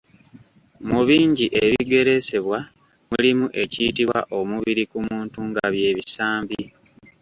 Mu bingi ebigereesebwa mulimu ekiyitibwa omubiri ku muntu nga by'ebisambi.